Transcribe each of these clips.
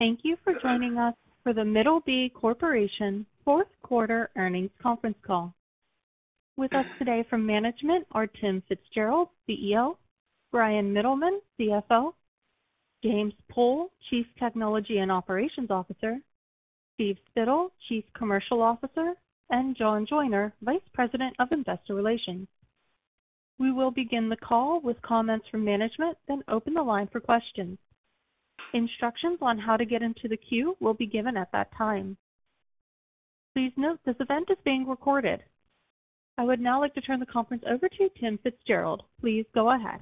Thank you for joining us for the Middleby Corporation Q4 earnings conference call. With us today from management are Tim Fitzgerald, CEO; Bryan Mittelman, CFO; James Pool, Chief Technology and Operations Officer; Steve Spittle, Chief Commercial Officer; and John Joyner, Vice President of Investor Relations. We will begin the call with comments from management, then open the line for questions. Instructions on how to get into the queue will be given at that time. Please note, this event is being recorded. I would now like to turn the conference over to Tim Fitzgerald. Please go ahead.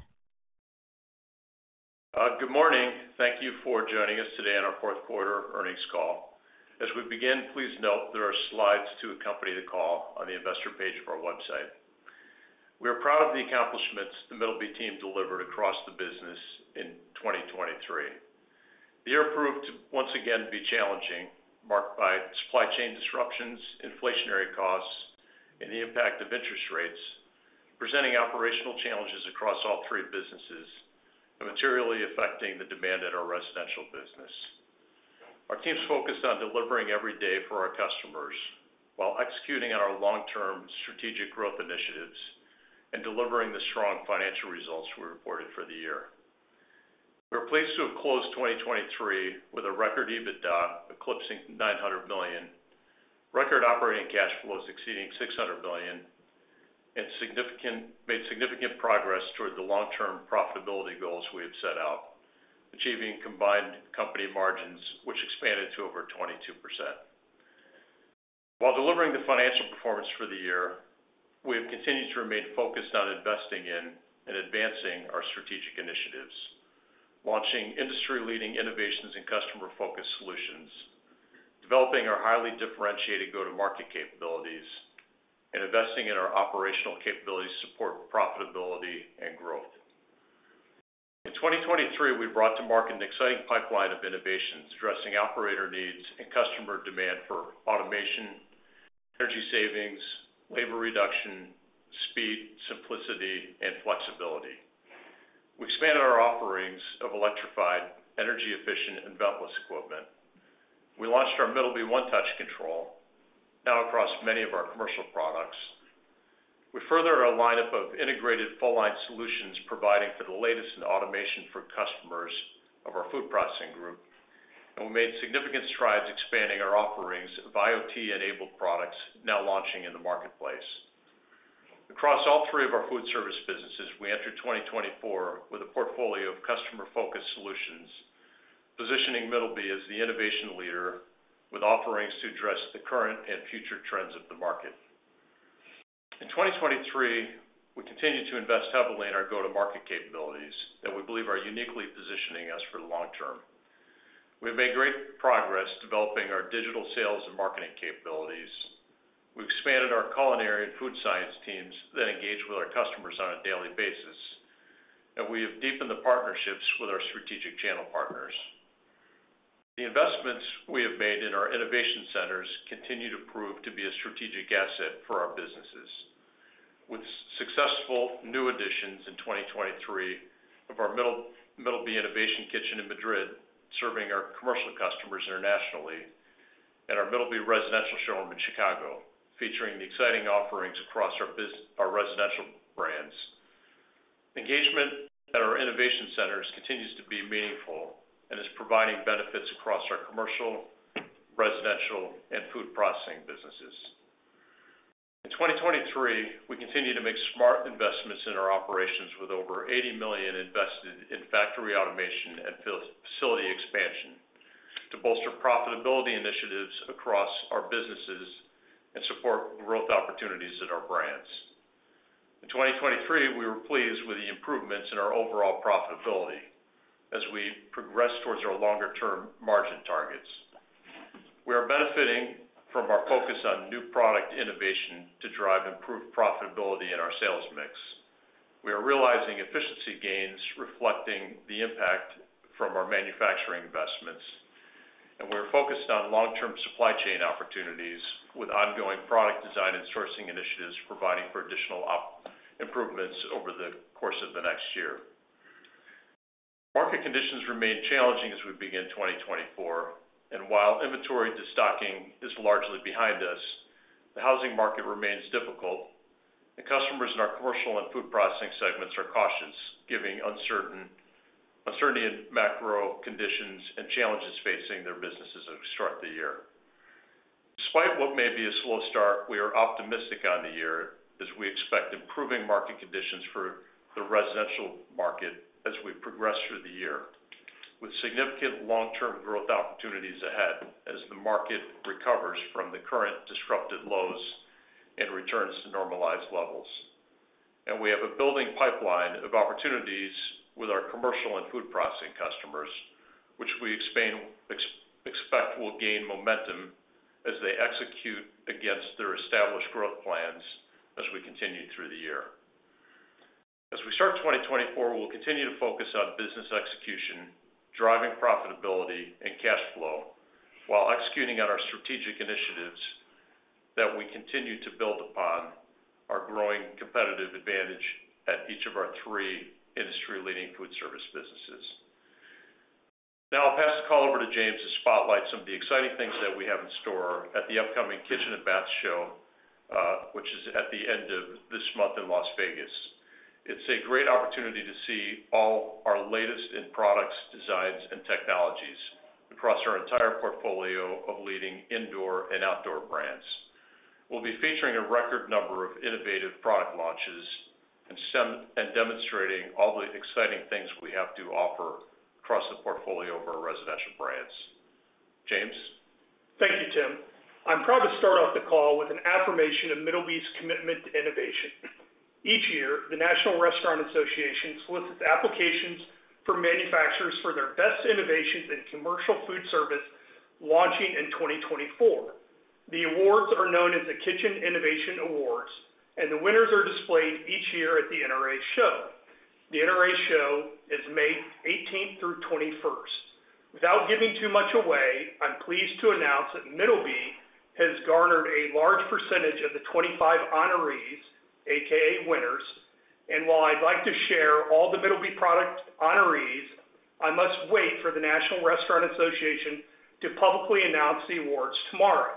Good morning. Thank you for joining us today on our Q4 earnings call. As we begin, please note there are slides to accompany the call on the investor page of our website. We are proud of the accomplishments the Middleby team delivered across the business in 2023. The year proved once again to be challenging, marked by supply chain disruptions, inflationary costs, and the impact of interest rates, presenting operational challenges across all three businesses and materially affecting the demand at our residential business. Our teams focused on delivering every day for our customers while executing on our long-term strategic growth initiatives and delivering the strong financial results we reported for the year. We're pleased to have closed 2023 with a record EBITDA eclipsing $900 million, record operating cash flows exceeding $600 million, and made significant progress toward the long-term profitability goals we have set out, achieving combined company margins, which expanded to over 22%. While delivering the financial performance for the year, we have continued to remain focused on investing in and advancing our strategic initiatives, launching industry-leading innovations and customer-focused solutions, developing our highly differentiated go-to-market capabilities, and investing in our operational capabilities to support profitability and growth. In 2023, we brought to market an exciting pipeline of innovations, addressing operator needs and customer demand for automation, energy savings, labor reduction, speed, simplicity, and flexibility. We expanded our offerings of electrified, energy efficient, and beltless equipment. We launched our Middleby One Touch control, now across many of our commercial products. We further our lineup of integrated full-line solutions, providing for the latest in automation for customers of our food processing group, and we made significant strides expanding our offerings of IoT-enabled products now launching in the marketplace. Across all three of our food service businesses, we enter 2024 with a portfolio of customer-focused solutions, positioning Middleby as the innovation leader with offerings to address the current and future trends of the market. In 2023, we continued to invest heavily in our go-to-market capabilities that we believe are uniquely positioning us for the long term. We've made great progress developing our digital sales and marketing capabilities. We've expanded our culinary and food science teams that engage with our customers on a daily basis, and we have deepened the partnerships with our strategic channel partners. The investments we have made in our innovation centers continue to prove to be a strategic asset for our businesses. With successful new additions in 2023 of our Middleby Innovation Kitchen in Madrid, serving our commercial customers internationally, and our Middleby Residential Showroom in Chicago, featuring the exciting offerings across our residential brands. Engagement at our innovation centers continues to be meaningful and is providing benefits across our commercial, residential, and food processing businesses. In 2023, we continued to make smart investments in our operations, with over $80 million invested in factory automation and facility expansion to bolster profitability initiatives across our businesses and support growth opportunities in our brands. In 2023, we were pleased with the improvements in our overall profitability as we progress towards our longer-term margin targets. We are benefiting from our focus on new product innovation to drive improved profitability in our sales mix. We are realizing efficiency gains, reflecting the impact from our manufacturing investments, and we're focused on long-term supply chain opportunities with ongoing product design and sourcing initiatives, providing for additional op improvements over the course of the next year. Market conditions remain challenging as we begin 2024, and while inventory destocking is largely behind us, the housing market remains difficult, and customers in our commercial and food processing segments are cautious, given uncertainty in macro conditions and challenges facing their businesses as we start the year. Despite what may be a slow start, we are optimistic on the year as we expect improving market conditions for the residential market as we progress through the year, with significant long-term growth opportunities ahead as the market recovers from the current disruptive lows and returns to normalized levels. We have a building pipeline of opportunities with our commercial and food processing customers, which we expect will gain momentum as they execute against their established growth plans as we continue through the year. As we start 2024, we'll continue to focus on business execution, driving profitability and cash flow, while executing on our strategic initiatives... that we continue to build upon our growing competitive advantage at each of our three industry-leading food service businesses. Now I'll pass the call over to James to spotlight some of the exciting things that we have in store at the upcoming Kitchen and Bath Show, which is at the end of this month in Las Vegas. It's a great opportunity to see all our latest in products, designs, and technologies across our entire portfolio of leading indoor and outdoor brands. We'll be featuring a record number of innovative product launches and demonstrating all the exciting things we have to offer across the portfolio of our residential brands. James? Thank you, Tim. I'm proud to start off the call with an affirmation of Middleby's commitment to innovation. Each year, the National Restaurant Association solicits applications for manufacturers for their best innovations in commercial food service launching in 2024. The awards are known as the Kitchen Innovation Awards, and the winners are displayed each year at the NRA show. The NRA show is May 18 through 21. Without giving too much away, I'm pleased to announce that Middleby has garnered a large percentage of the 25 honorees, AKA winners, and while I'd like to share all the Middleby product honorees, I must wait for the National Restaurant Association to publicly announce the awards tomorrow.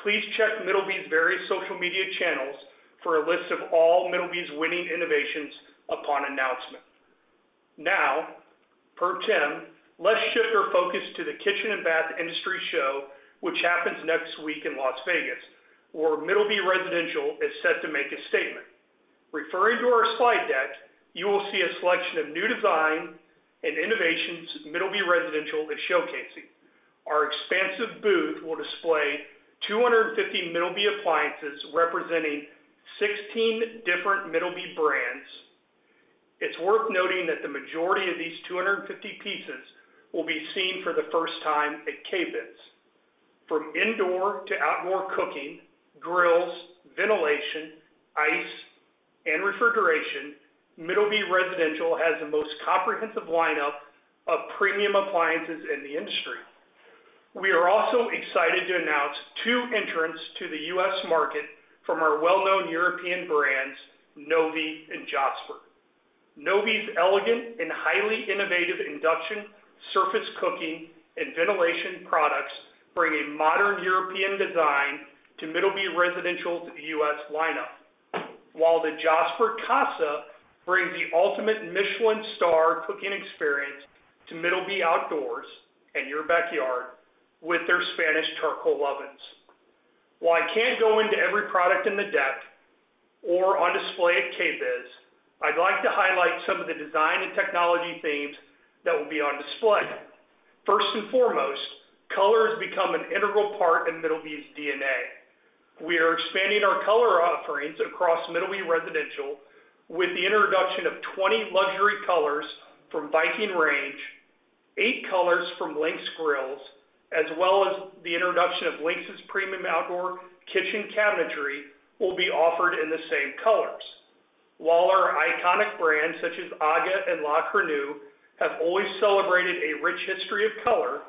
Please check Middleby's various social media channels for a list of all Middleby's winning innovations upon announcement. Now, per Tim, let's shift our focus to the Kitchen and Bath Industry Show, which happens next week in Las Vegas, where Middleby Residential is set to make a statement. Referring to our slide deck, you will see a selection of new design and innovations Middleby Residential is showcasing. Our expansive booth will display 250 Middleby appliances, representing 16 different Middleby brands. It's worth noting that the majority of these 250 pieces will be seen for the first time at KBIS. From indoor to outdoor cooking, grills, ventilation, ice, and refrigeration, Middleby Residential has the most comprehensive lineup of premium appliances in the industry. We are also excited to announce two entrants to the US market from our well-known European brands, Novy and Josper. Novy's elegant and highly innovative induction, surface cooking, and ventilation products bring a modern European design to Middleby Residential's U.S. lineup. While the Josper Casa brings the ultimate Michelin star cooking experience to Middleby Outdoors and your backyard with their Spanish charcoal ovens. While I can't go into every product in the depth or on display at KBIS, I'd like to highlight some of the design and technology themes that will be on display. First and foremost, color has become an integral part in Middleby's DNA. We are expanding our color offerings across Middleby Residential with the introduction of 20 luxury colors from Viking Range, eight colors from Lynx Grills, as well as the introduction of Lynx's premium outdoor kitchen cabinetry will be offered in the same colors. While our iconic brands, such as AGA and La Cornue, have always celebrated a rich history of color,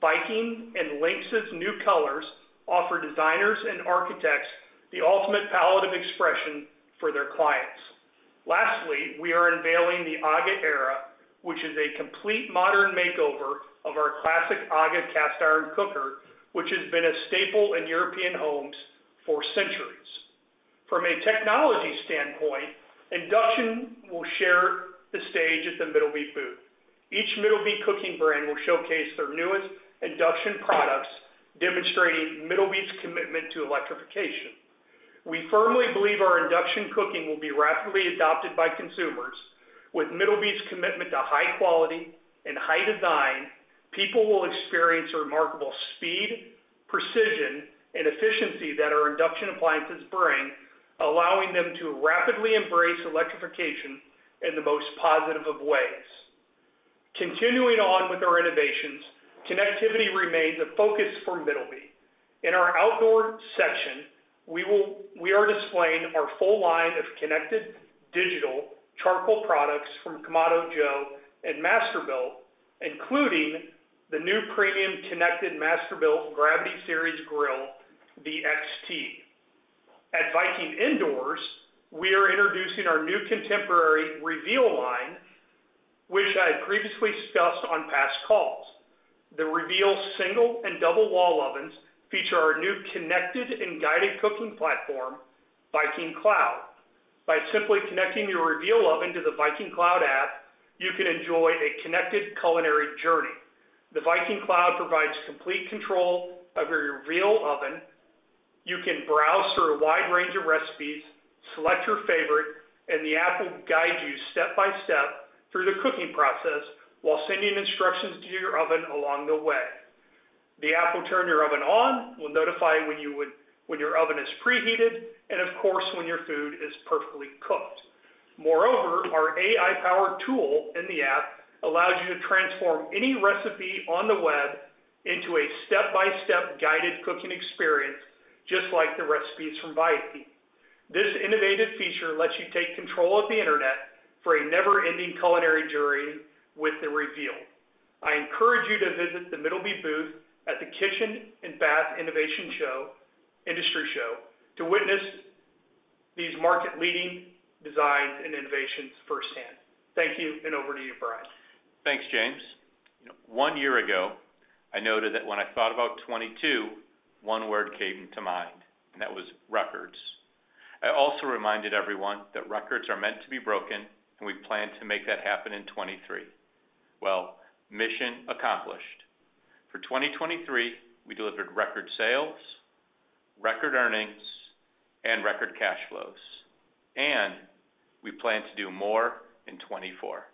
Viking and Lynx's new colors offer designers and architects the ultimate palette of expression for their clients. Lastly, we are unveiling the AGA ERA, which is a complete modern makeover of our classic AGA cast iron cooker, which has been a staple in European homes for centuries. From a technology standpoint, induction will share the stage at the Middleby booth. Each Middleby cooking brand will showcase their newest induction products, demonstrating Middleby's commitment to electrification. We firmly believe our induction cooking will be rapidly adopted by consumers. With Middleby's commitment to high quality and high design, people will experience remarkable speed, precision, and efficiency that our induction appliances bring, allowing them to rapidly embrace electrification in the most positive of ways. Continuing on with our innovations, connectivity remains a focus for Middleby. In our outdoor section, we are displaying our full line of connected digital charcoal products from Kamado Joe and Masterbuilt, including the new premium connected Masterbuilt Gravity Series XT. At Viking indoors, we are introducing our new contemporary Reveal line, which I had previously discussed on past calls. The Reveal single and double wall ovens feature our new connected and guided cooking platform, Viking Cloud. By simply connecting your Reveal oven to the Viking Cloud app, you can enjoy a connected culinary journey. The Viking Cloud provides complete control of your Reveal oven. You can browse through a wide range of recipes, select your favorite, and the app will guide you step by step through the cooking process while sending instructions to your oven along the way. The app will turn your oven on, will notify when your oven is preheated, and of course, when your food is perfectly cooked. Moreover, our AI-powered tool in the app allows you to transform any recipe on the web into a step-by-step guided cooking experience, just like the recipes from Viking.... This innovative feature lets you take control of the internet for a never-ending culinary journey with the Reveal. I encourage you to visit the Middleby booth at the Kitchen and Bath Industry Show, to witness these market-leading designs and innovations firsthand. Thank you, and over to you, Bryan. Thanks, James. One year ago, I noted that when I thought about 2022, one word came to mind, and that was records. I also reminded everyone that records are meant to be broken, and we plan to make that happen in 2023. Well, mission accomplished. For 2023, we delivered record sales, record earnings, and record cash flows, and we plan to do more in 2024.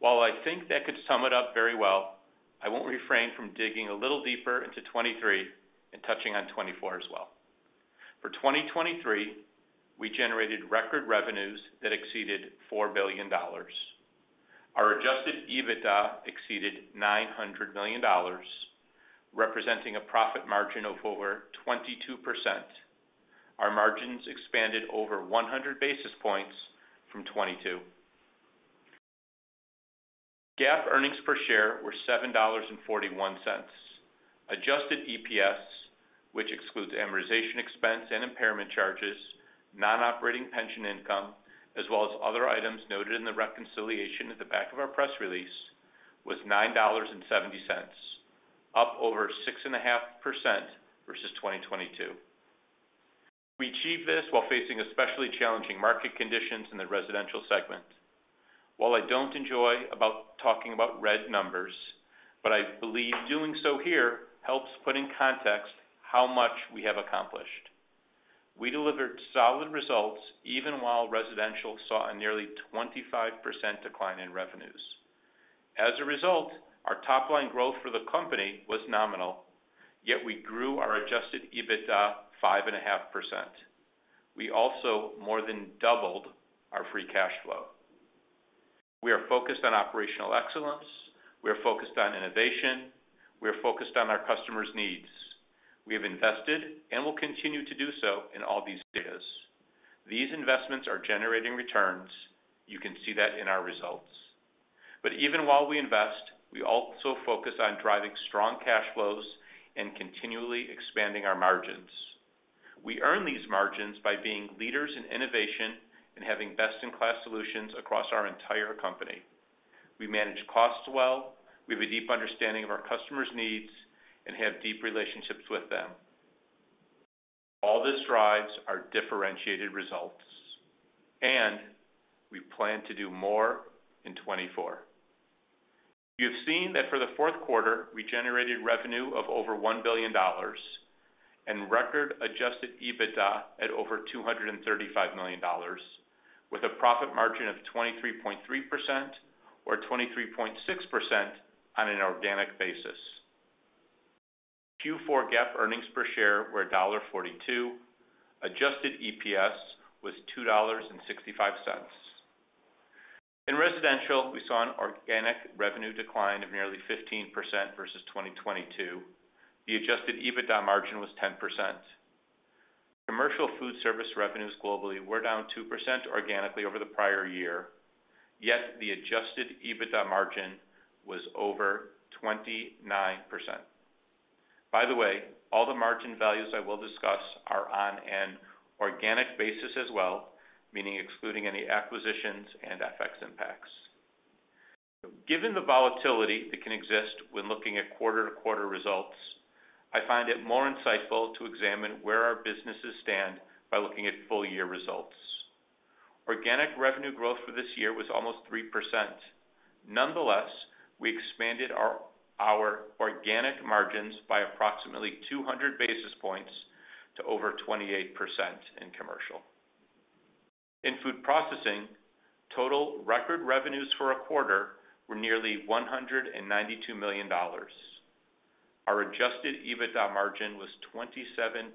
While I think that could sum it up very well, I won't refrain from digging a little deeper into 2023 and touching on 2024 as well. For 2023, we generated record revenues that exceeded $4 billion. Our adjusted EBITDA exceeded $900 million, representing a profit margin of over 22%. Our margins expanded over 100 basis points from 2022. GAAP earnings per share were $7.41. Adjusted EPS, which excludes amortization expense and impairment charges, non-operating pension income, as well as other items noted in the reconciliation at the back of our press release, was $9.70, up over 6.5% versus 2022. We achieved this while facing especially challenging market conditions in the residential segment. While I don't enjoy talking about red numbers, but I believe doing so here helps put in context how much we have accomplished. We delivered solid results, even while residential saw a nearly 25% decline in revenues. As a result, our top line growth for the company was nominal, yet we grew our Adjusted EBITDA 5.5%. We also more than doubled our free cash flow. We are focused on operational excellence, we are focused on innovation, we are focused on our customers' needs. We have invested and will continue to do so in all these areas. These investments are generating returns. You can see that in our results. But even while we invest, we also focus on driving strong cash flows and continually expanding our margins. We earn these margins by being leaders in innovation and having best-in-class solutions across our entire company. We manage costs well, we have a deep understanding of our customers' needs, and have deep relationships with them. All this drives our differentiated results, and we plan to do more in 2024. You've seen that for the Q4, we generated revenue of over $1 billion and record adjusted EBITDA at over $235 million, with a profit margin of 23.3% or 23.6% on an organic basis. Q4 GAAP earnings per share were $1.42. Adjusted EPS was $2.65. In residential, we saw an organic revenue decline of nearly 15% versus 2022. The adjusted EBITDA margin was 10%. Commercial food service revenues globally were down 2% organically over the prior year, yet the adjusted EBITDA margin was over 29%. By the way, all the margin values I will discuss are on an organic basis as well, meaning excluding any acquisitions and FX impacts. Given the volatility that can exist when looking at quarter-to-quarter results, I find it more insightful to examine where our businesses stand by looking at full year results. Organic revenue growth for this year was almost 3%. Nonetheless, we expanded our organic margins by approximately 200 basis points to over 28% in commercial. In food processing, total record revenues for a quarter were nearly $192 million. Our Adjusted EBITDA margin was 27.6%.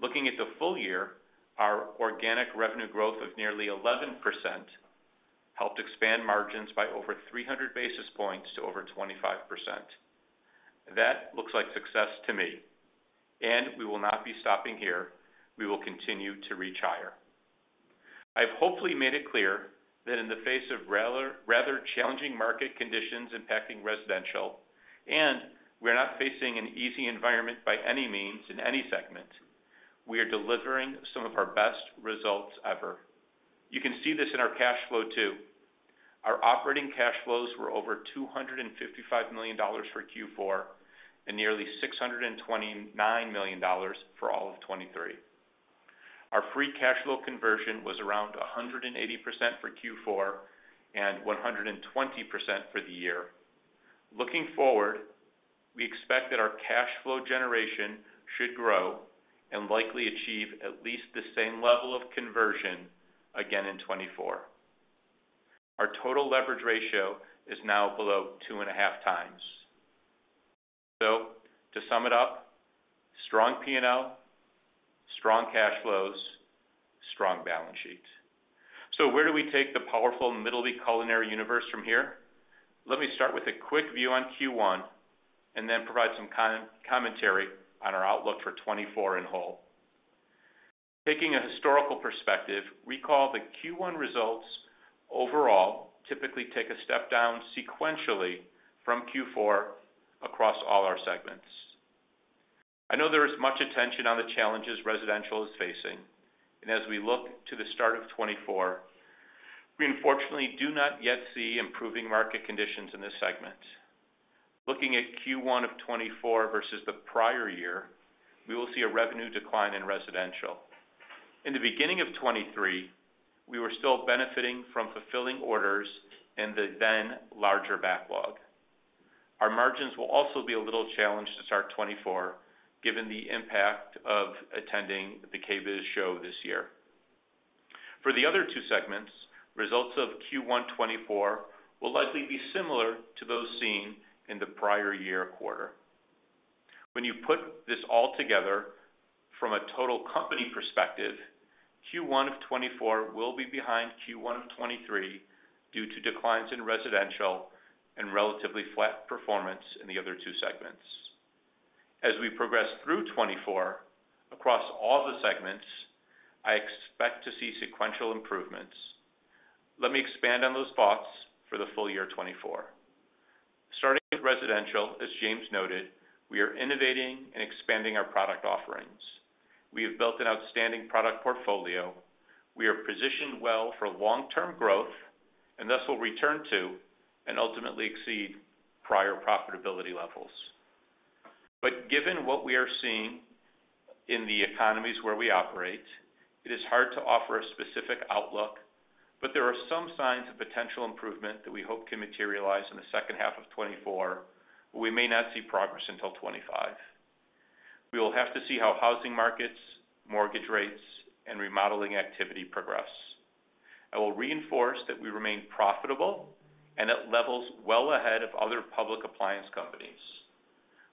Looking at the full year, our organic revenue growth of nearly 11% helped expand margins by over 300 basis points to over 25%. That looks like success to me, and we will not be stopping here. We will continue to reach higher. I've hopefully made it clear that in the face of rather challenging market conditions impacting residential, and we are not facing an easy environment by any means, in any segment, we are delivering some of our best results ever. You can see this in our cash flow, too. Our operating cash flows were over $255 million for Q4, and nearly $629 million for all of 2023. Our free cash flow conversion was around 180% for Q4, and 120% for the year. Looking forward, we expect that our cash flow generation should grow and likely achieve at least the same level of conversion again in 2024. Our total leverage ratio is now below 2.5x. So to sum it up, strong P&L, strong cash flows, strong balance sheet. So where do we take the powerful Middleby culinary universe from here? Let me start with a quick view on Q1, and then provide some commentary on our outlook for 2024 in whole. Taking a historical perspective, recall the Q1 results overall typically take a step down sequentially from Q4 across all our segments. I know there is much attention on the challenges Residential is facing, and as we look to the start of 2024, we unfortunately do not yet see improving market conditions in this segment. Looking at Q1 of 2024 versus the prior year, we will see a revenue decline in Residential. In the beginning of 2023, we were still benefiting from fulfilling orders in the then larger backlog. Our margins will also be a little challenged to start 2024, given the impact of attending the KBIS show this year. For the other two segments, results of Q1 2024 will likely be similar to those seen in the prior year quarter. When you put this all together from a total company perspective, Q1 of 2024 will be behind Q1 of 2023 due to declines in Residential and relatively flat performance in the other two segments. As we progress through 2024, across all the segments, I expect to see sequential improvements. Let me expand on those thoughts for the full year 2024. Starting with Residential, as James noted, we are innovating and expanding our product offerings. We have built an outstanding product portfolio. We are positioned well for long-term growth, and thus will return to and ultimately exceed prior profitability levels. But given what we are seeing in the economies where we operate, it is hard to offer a specific outlook, but there are some signs of potential improvement that we hope can materialize in the H2 of 2024, but we may not see progress until 2025. We will have to see how housing markets, mortgage rates, and remodeling activity progress. I will reinforce that we remain profitable and at levels well ahead of other public appliance companies.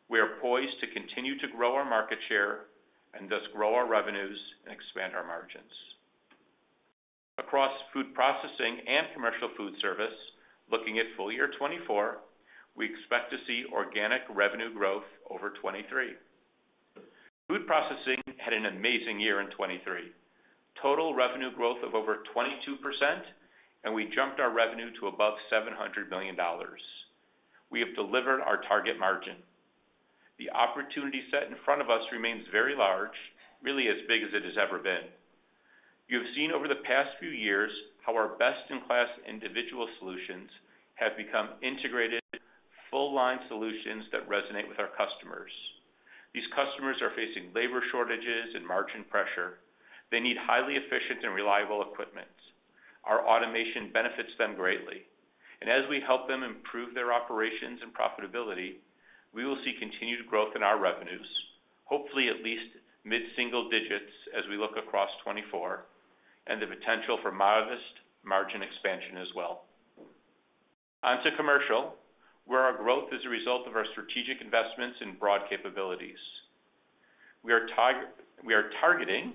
We are poised to continue to grow our market share and thus grow our revenues and expand our margins. Across Food Processing and Commercial Foodservice, looking at full year 2024, we expect to see organic revenue growth over 2023. Food Processing had an amazing year in 2023. Total revenue growth of over 22%, and we jumped our revenue to above $700 million. We have delivered our target margin. The opportunity set in front of us remains very large, really as big as it has ever been. You have seen over the past few years how our best-in-class individual solutions have become integrated, full-line solutions that resonate with our customers. These customers are facing labor shortages and margin pressure. They need highly efficient and reliable equipment. Our automation benefits them greatly, and as we help them improve their operations and profitability, we will see continued growth in our revenues, hopefully at least mid-single digits as we look across 2024, and the potential for modest margin expansion as well. On to Commercial, where our growth is a result of our strategic investments and broad capabilities. We are targeting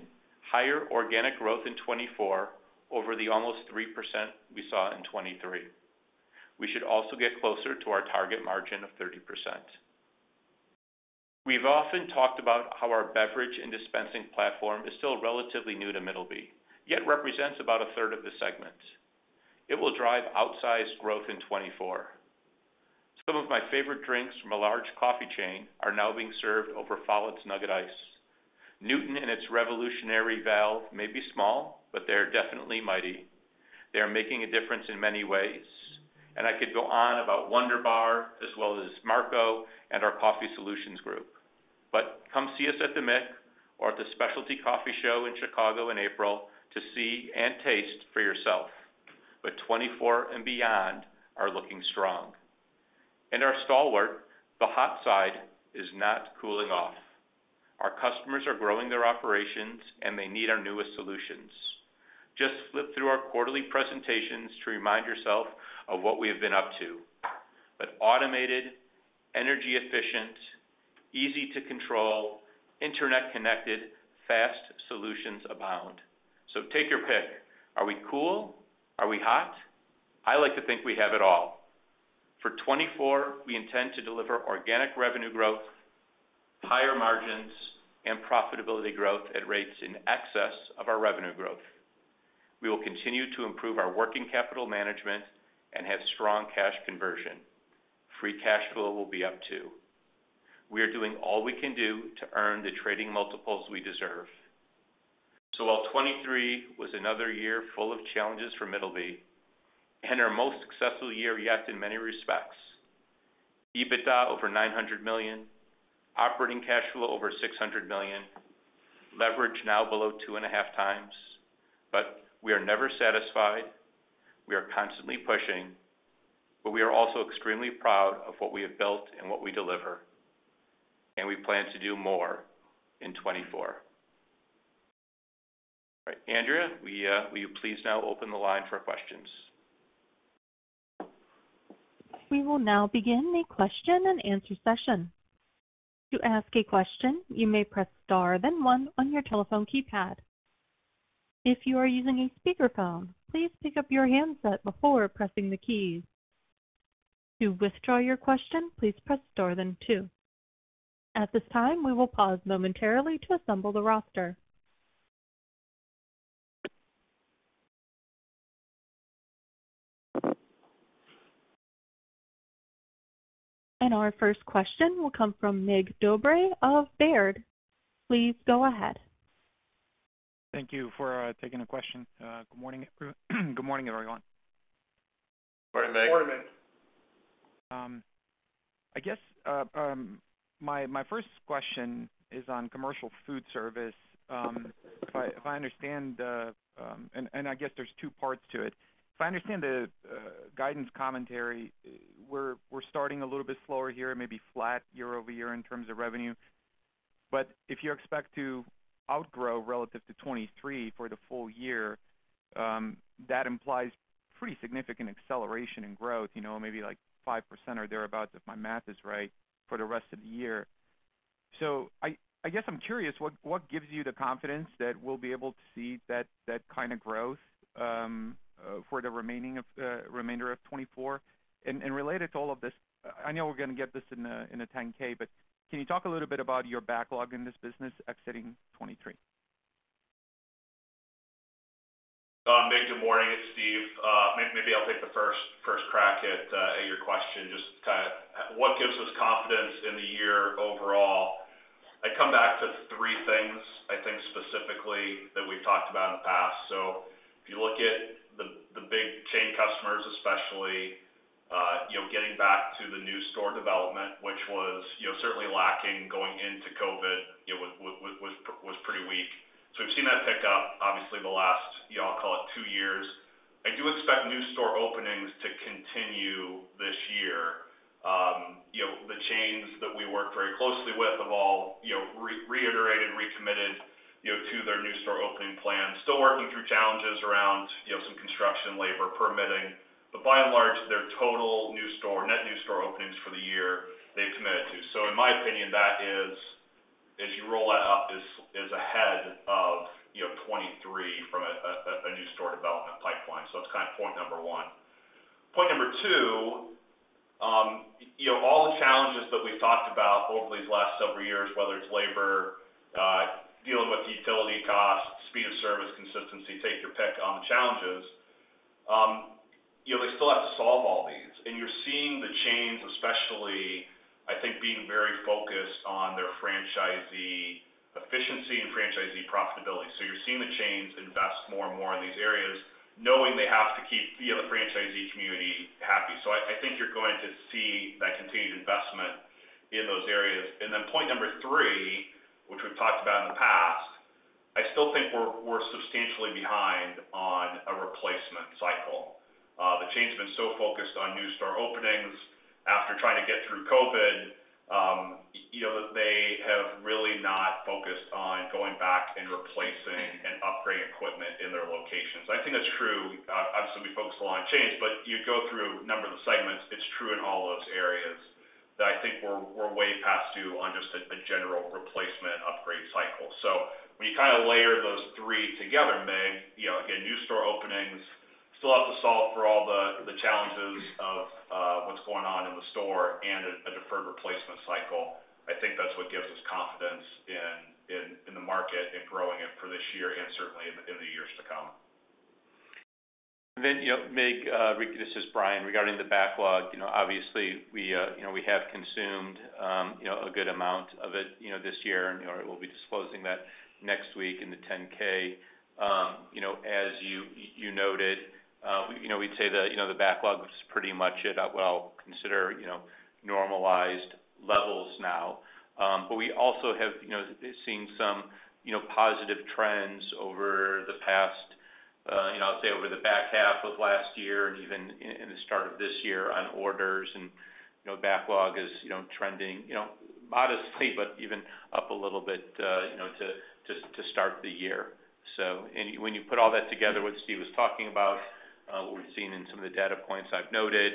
higher organic growth in 2024 over the almost 3% we saw in 2023. We should also get closer to our target margin of 30%. We've often talked about how our beverage and dispensing platform is still relatively new to Middleby, yet represents about a third of the segment. It will drive outsized growth in 2024. Some of my favorite drinks from a large coffee chain are now being served over Follett's nugget ice. Newton and its revolutionary valve may be small, but they're definitely mighty. They are making a difference in many ways, and I could go on about Wunder-Bar, as well as Marco and our Coffee Solutions Group. Come see us at the Mick or at the Specialty Coffee Show in Chicago in April to see and taste for yourself. 2024 and beyond are looking strong. Our stalwart, the hot side, is not cooling off. Our customers are growing their operations, and they need our newest solutions. Just flip through our quarterly presentations to remind yourself of what we have been up to. Automated, energy efficient, easy to control, internet-connected, fast solutions abound. Take your pick. Are we cool? Are we hot? I like to think we have it all. For 2024, we intend to deliver organic revenue growth, higher margins, and profitability growth at rates in excess of our revenue growth. We will continue to improve our working capital management and have strong cash conversion. Free cash flow will be up, too. We are doing all we can do to earn the trading multiples we deserve. So while 2023 was another year full of challenges for Middleby, and our most successful year yet in many respects, EBITDA over $900 million, operating cash flow over $600 million, leverage now below 2.5x. But we are never satisfied. We are constantly pushing, but we are also extremely proud of what we have built and what we deliver, and we plan to do more in 2024. All right, Andrea, will you, will you please now open the line for questions? We will now begin the question-and-answer session. To ask a question, you may press star, then one on your telephone keypad. If you are using a speakerphone, please pick up your handset before pressing the keys. To withdraw your question, please press star, then two. At this time, we will pause momentarily to assemble the roster. Our first question will come from Mig Dobre of Baird. Please go ahead. Thank you for taking the question. Good morning, good morning, everyone. Good morning, Mig. Good morning, Mig. I guess my first question is on commercial food service. I guess there's two parts to it. If I understand the guidance commentary, we're starting a little bit slower here, maybe flat year-over-year in terms of revenue. But if you expect to outgrow relative to 2023 for the full year, that implies pretty significant acceleration in growth, you know, maybe like 5% or thereabout, if my math is right, for the rest of the year. So I guess I'm curious, what gives you the confidence that we'll be able to see that kind of growth for the remainder of 2024? Related to all of this, I know we're gonna get this in a 10-K, but can you talk a little bit about your backlog in this business exiting 2023? Mig, good morning, it's Steve. Maybe I'll take the first crack at your question. Just kinda what gives us confidence in the year overall? I come back to three things, I think, specifically that we've talked about in the past. So if you look at the big chain customers, especially, you know, getting back to the new store development, which was, you know, certainly lacking going into COVID, it was pretty weak. So we've seen that pick up, obviously, the last, you know, I'll call it two years. I do expect new store openings to continue this year. You know, the chains that we work very closely with have all, you know, reiterated, recommitted, you know, to their new store opening plan. Still working through challenges around, you know, some construction, labor, permitting, but by and large, their total new store-net new store openings for the year, they've committed to. So in my opinion, that is, as you roll that up, is ahead of, you know, 23 from a new store development pipeline. So that's kind of point number one. Point number two, you know, all the challenges that we've talked about over these last several years, whether it's labor, dealing with utility costs, speed of service, consistency, take your pick on the challenges. You know, they still have to solve all these, and you're seeing the chains, especially, I think, being very focused on their franchisee efficiency and franchisee profitability. So you're seeing the chains invest more and more in these areas, knowing they have to keep the franchisee community happy. So I think you're going to see that continued investment in those areas. And then point number three, which we've talked about in the past, I still think we're substantially behind on a replacement cycle. The chain's been so focused on new store openings after trying to get through COVID, you know, they have really not focused on going back and replacing and upgrading equipment in their locations. I think that's true. Obviously, we focus a lot on chains, but you go through a number of the segments, it's true in all those areas, that I think we're way past due on just a general replacement upgrade cycle. So when you kind of layer those three together, Mig, you know, again, new store openings still have to solve for all the challenges of what's going on in the store and a deferred replacement cycle. I think that's what gives us confidence in the market and growing it for this year and certainly in the years to come. And then, you know, Mig, this is Bryan, regarding the backlog, you know, obviously, we, you know, we have consumed, you know, a good amount of it, you know, this year, and, you know, we'll be disclosing that next week in the 10-K. You know, as you, you noted, you know, we'd say that, you know, the backlog is pretty much at, well, consider, you know, normalized levels now. But we also have, you know, seen some, you know, positive trends over the past, you know, I'll say over the back half of last year and even in the start of this year on orders and, you know, backlog is, you know, trending, you know, modestly, but even up a little bit, you know, to start the year. When you put all that together, what Steve was talking about, what we've seen in some of the data points I've noted,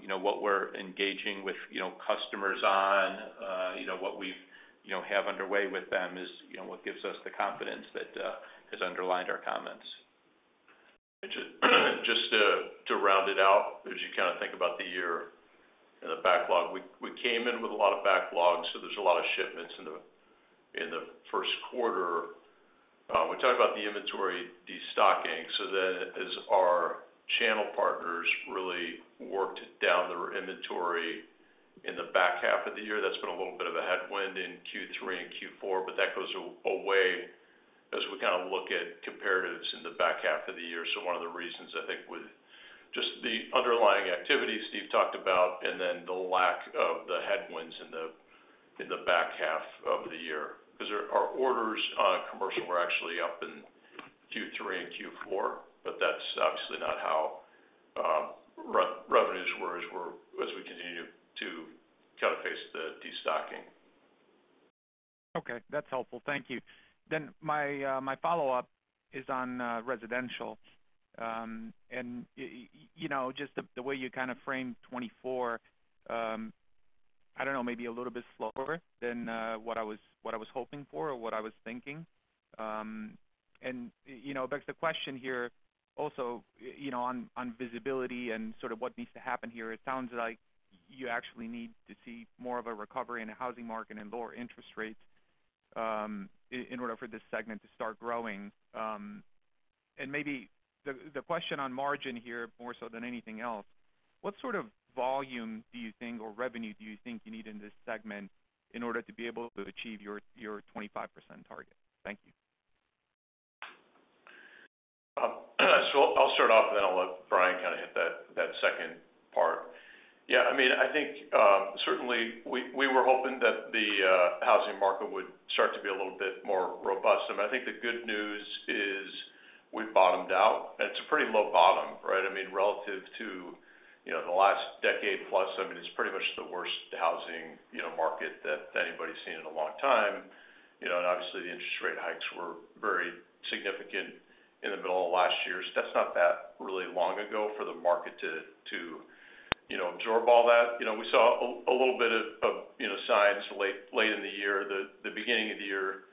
you know, what we're engaging with, you know, customers on, you know, what we've, you know, have underway with them is, you know, what gives us the confidence that has underlined our comments. Just to round it out, as you kind of think about the year and the backlog. We came in with a lot of backlogs, so there's a lot of shipments in the Q1. We talked about the inventory destocking, so then as our channel partners really worked down their inventory in the back half of the year, that's been a little bit of a headwind in Q3 and Q4, but that goes away as we kind of look at comparatives in the back half of the year. So one of the reasons I think with just the underlying activity Steve talked about, and then the lack of the headwinds in the back half of the year, because our orders on commercial were actually up in Q3 and Q4, but that's obviously not how revenues were as we continue to kind of face the destocking. Okay, that's helpful. Thank you. Then my follow-up is on residential. And you know, just the way you kind of framed 2024, I don't know, maybe a little bit slower than what I was hoping for or what I was thinking. And you know, but the question here also, you know, on visibility and sort of what needs to happen here, it sounds like you actually need to see more of a recovery in the housing market and lower interest rates, in order for this segment to start growing. And maybe the question on margin here, more so than anything else, what sort of volume do you think or revenue do you think you need in this segment in order to be able to achieve your 25% target? Thank you. So I'll start off, and then I'll let Bryan kind of hit that second part. Yeah, I mean, I think certainly, we were hoping that the housing market would start to be a little bit more robust. I mean, I think the good news is we've bottomed out, and it's a pretty low bottom, right? I mean, relative to, you know, the last decade plus, I mean, it's pretty much the worst housing, you know, market that anybody's seen in a long time. You know, and obviously, the interest rate hikes were very significant in the middle of last year. So that's not that really long ago for the market to you know absorb all that. You know, we saw a little bit of you know signs late in the year. The beginning of the year,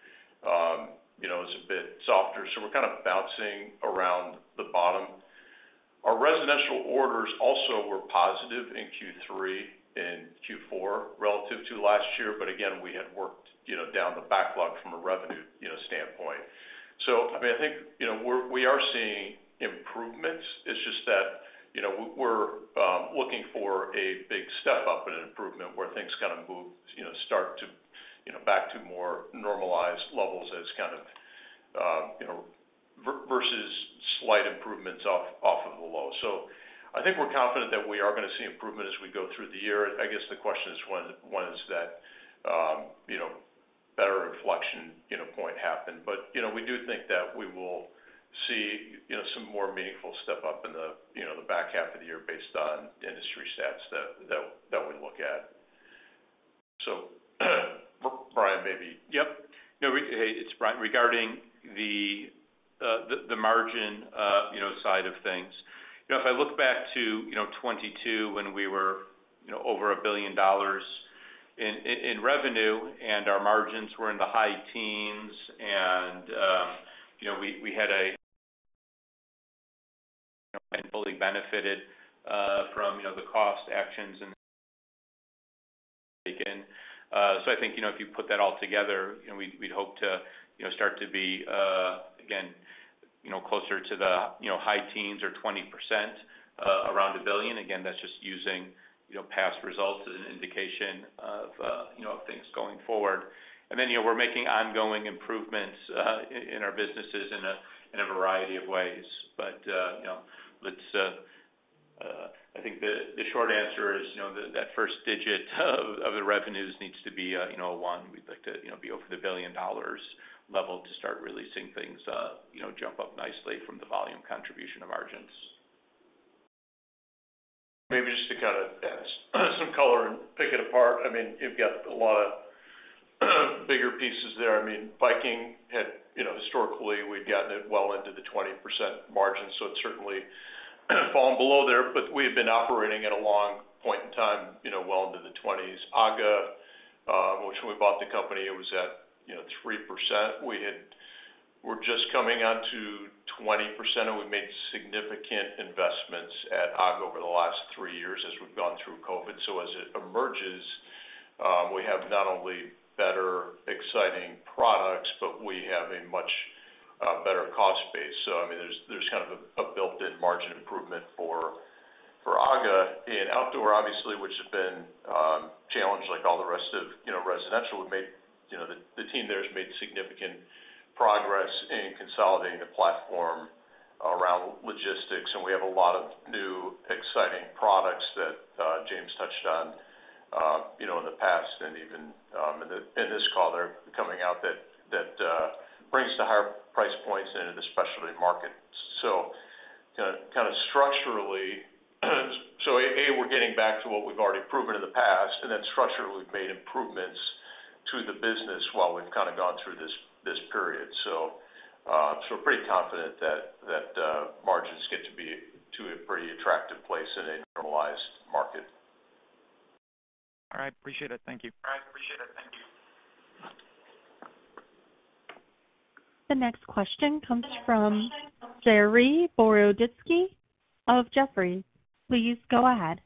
you know, is a bit softer, so we're kind of bouncing around the bottom. Our residential orders also were positive in Q3 and Q4 relative to last year. But again, we had worked, you know, down the backlog from a revenue, you know, standpoint. So I mean, I think, you know, we are seeing improvements. It's just that, you know, we're looking for a big step up in an improvement where things kind of move, you know, start to, you know, back to more normalized levels as kind of, you know, versus slight improvements off of the low. So I think we're confident that we are going to see improvement as we go through the year. I guess the question is when is that, you know, better inflection, you know, point happen? But, you know, we do think that we will see, you know, some more meaningful step up in the, you know, the back half of the year based on industry stats that we look at. So, Brian, maybe. Hey, it's Brian. Regarding the margin, you know, side of things, you know, if I look back to 2022, when we were, you know, over $1 billion in revenue, and our margins were in the high teens, and, you know, we had a—and fully benefited from, you know, the cost actions and again. So I think, you know, if you put that all together, you know, we'd hope to, you know, start to be, again, you know, closer to the, you know, high teens or 20%, around $1 billion. Again, that's just using, you know, past results as an indication of, you know, things going forward. Then, you know, we're making ongoing improvements in our businesses in a variety of ways. But, you know, I think the short answer is, you know, that that first digit of the revenues needs to be, you know, a one. We'd like to, you know, be over the $1 billion level to start really seeing things, you know, jump up nicely from the volume contribution of margins. Maybe just to kind of add some color and pick it apart. I mean, you've got a lot of bigger pieces there. I mean, Viking had, you know, historically, we'd gotten it well into the 20% margin, so it's certainly fallen below there. But we had been operating at a long point in time, you know, well into the 20s. AGA, which when we bought the company, it was at, you know, 3%. We're just coming on to 20%, and we've made significant investments at AGA over the last three years as we've gone through COVID. So as it emerges, we have not only better exciting products, but we have a much better cost base. So I mean, there's kind of a built-in margin improvement for AGA. In outdoor, obviously, which has been challenged, like all the rest of, you know, residential, we've made, you know, the team there has made significant progress in consolidating the platform around logistics, and we have a lot of new, exciting products that James touched on, you know, in the past and even in this call, they're coming out that brings the higher price points into the specialty market. So kind of structurally, so, A, we're getting back to what we've already proven in the past, and then structurally, we've made improvements to the business while we've kind of gone through this period. So, so we're pretty confident that margins get to be to a pretty attractive place in a normalized market. All right, appreciate it. Thank you. The next question comes from Saree Boroditsky of Jefferies. Please go ahead.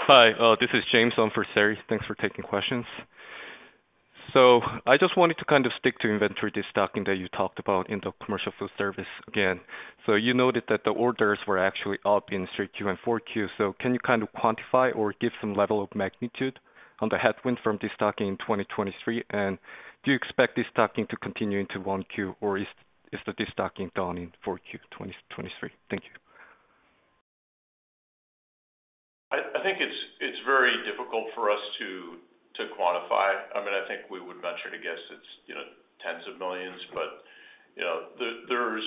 Hi, this is James on for Saree. Thanks for taking questions. So I just wanted to kind of stick to inventory stocking that you talked about in the commercial food service again. So you noted that the orders were actually up in Q3 and Q4. So can you kind of quantify or give some level of magnitude on the headwind from destocking in 2023? And do you expect destocking to continue into Q1, or is the destocking done in Q4 2023? Thank you. I think it's very difficult for us to quantify. I mean, I think we would venture to guess it's, you know, tens of millions, but... You know, the, there's,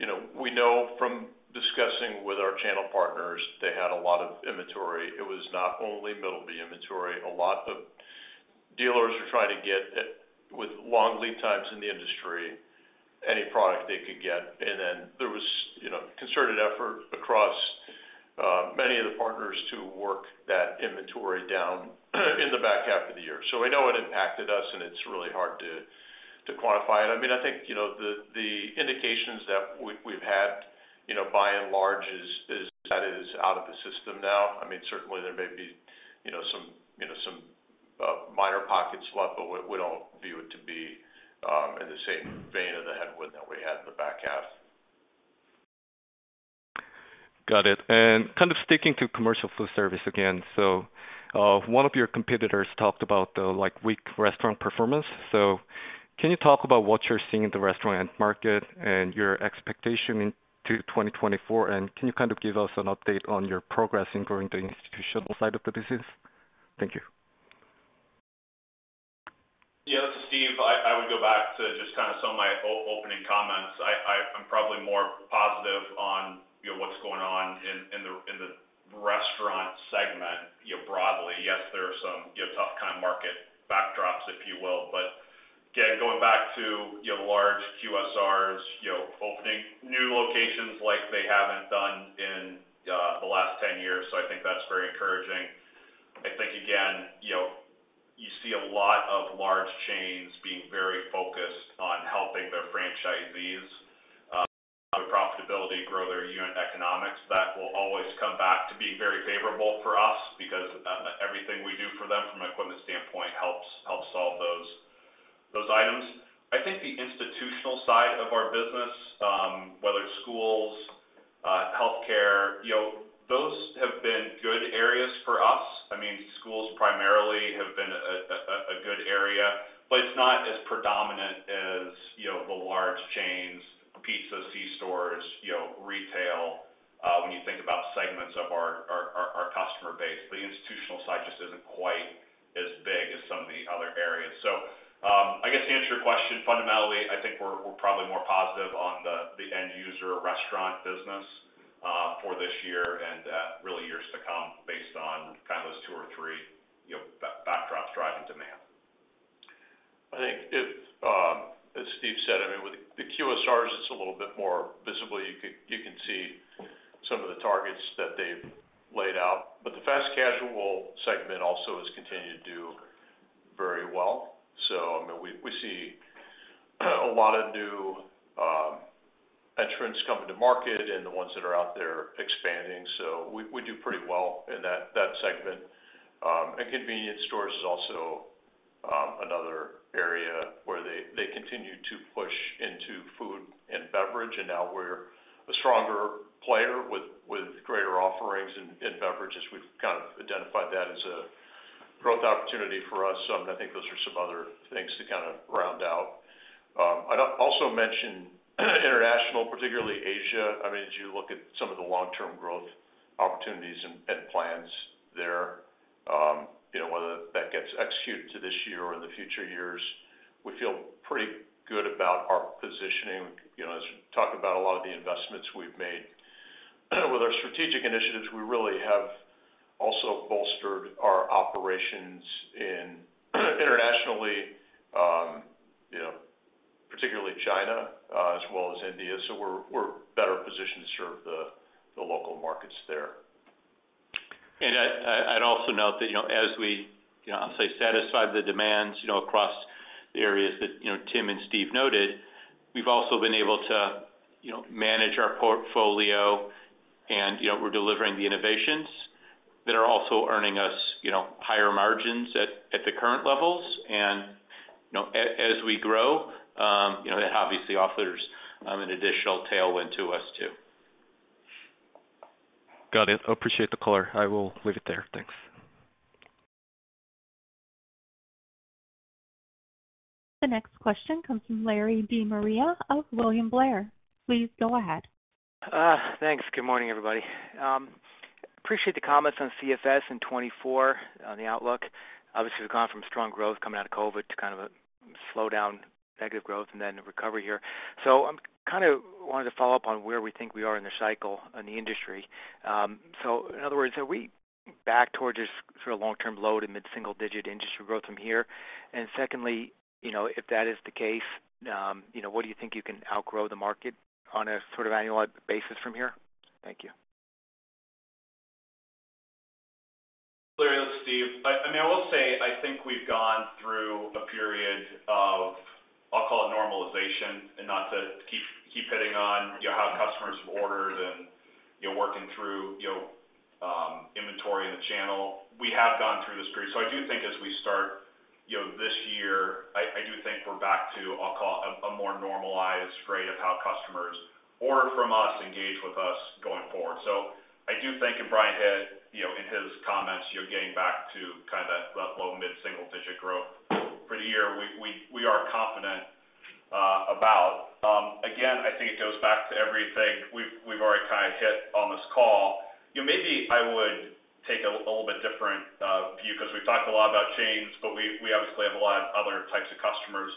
you know, we know from discussing with our channel partners, they had a lot of inventory. It was not only Middleby inventory. A lot of dealers were trying to get at, with long lead times in the industry, any product they could get, and then there was, you know, concerted effort across, many of the partners to work that inventory down in the back half of the year. So we know it impacted us, and it's really hard to quantify it. I mean, I think, you know, the indications that we, we've had, you know, by and large, is that it is out of the system now. I mean, certainly, there may be, you know, some, you know, some, minor pockets left, but we, we don't view it to be, in the same vein of the headwind that we had in the back half. Got it. And kind of sticking to commercial food service again. So, one of your competitors talked about the, like, weak restaurant performance. So can you talk about what you're seeing in the restaurant end market and your expectation into 2024? And can you kind of give us an update on your progress in growing the institutional side of the business? Thank you. Yeah, this is Steve. I would go back to just kind of some of my opening comments. I'm probably more positive on, you know, what's going on in the restaurant segment, you know, broadly. Yes, there are some, you know, tough kind of market backdrops, if you will. But again, going back to, you know, large QSRs, you know, opening new locations like they haven't done in the last 10 years, so I think that's very encouraging. I think, again, you know, you see a lot of large chains being very focused on helping their franchisees with profitability, grow their unit economics. That will always come back to being very favorable for us because everything we do for them from an equipment standpoint helps solve those items. I think the institutional side of our business, whether it's schools, healthcare, you know, those have been good areas for us. I mean, schools primarily have been a good area, but it's not as predominant as, you know, the large chains, pizza, c-stores, you know, retail. When you think about segments of our customer base, the institutional side just isn't quite as big as some of the other areas. So, I guess to answer your question, fundamentally, I think we're probably more positive on the end user restaurant business, for this year and, really years to come based on kind of those two or three, you know, backdrops driving demand. I think if, as Steve said, I mean, with the QSRs, it's a little bit more visible. You can see some of the targets that they've laid out, but the fast casual segment also has continued to do very well. So I mean, we see a lot of new entrants coming to market and the ones that are out there expanding, so we do pretty well in that segment. And convenience stores is also another area where they continue to push into food and beverage, and now we're a stronger player with greater offerings in beverage, as we've kind of identified that as a growth opportunity for us. I think those are some other things to kind of round out. I'd also mention international, particularly Asia. I mean, as you look at some of the long-term growth opportunities and plans there, you know, whether that gets executed to this year or in the future years, we feel pretty good about our positioning. You know, as we talk about a lot of the investments we've made. With our strategic initiatives, we really have also bolstered our operations internationally, you know, particularly China, as well as India. So we're better positioned to serve the local markets there. And I'd also note that, you know, as we, you know, I'll say, satisfy the demands, you know, across the areas that, you know, Tim and Steve noted, we've also been able to, you know, manage our portfolio and, you know, we're delivering the innovations that are also earning us, you know, higher margins at the current levels. And, you know, as we grow, you know, that obviously offers an additional tailwind to us, too. Got it. I appreciate the color. I will leave it there. Thanks. The next question comes from Larry De Maria of William Blair. Please go ahead. Thanks. Good morning, everybody. Appreciate the comments on CFS in 2024 on the outlook. Obviously, we've gone from strong growth coming out of COVID to kind of a slowdown, negative growth, and then a recovery here. So I'm kind of wanted to follow up on where we think we are in the cycle in the industry. So in other words, are we back towards just sort of long-term load in mid-single digit industry growth from here? And secondly, you know, if that is the case, you know, what do you think you can outgrow the market on a sort of annual basis from here? Thank you. Larry, this is Steve. I mean, I will say, I think we've gone through a period of, I'll call it normalization, and not to keep hitting on, you know, how customers have ordered and, you know, working through, you know, inventory in the channel. We have gone through this period. So I do think as we start, you know, this year, I do think we're back to, I'll call a more normalized rate of how customers order from us, engage with us going forward. So I do think, and Bryan hit, you know, in his comments, you're getting back to kind of that low to mid-single digit growth for the year. We are confident about. Again, I think it goes back to everything we've already kind of hit on this call. You know, maybe I would take a little bit different because we've talked a lot about chains, but we obviously have a lot of other types of customers.